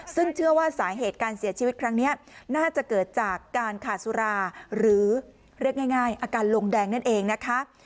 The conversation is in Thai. ซึ่งเชื่อว่าสาเหตุการเสียชีวิตครั้งนี้น่าจะเกิดจากการขาดสุราหรือเรียกง่ายอาการลงแดงนั่นเองนะคะ